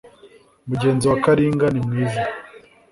mugenzi wa karinga nimwiza